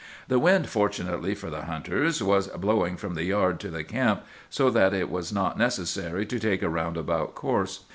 "The wind, fortunately for the hunters, was blowing from the yard to the camp, so that it was not necessary to take a roundabout course.